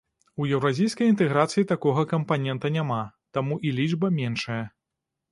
У еўразійскай інтэграцыі такога кампанента няма, таму і лічба меншая.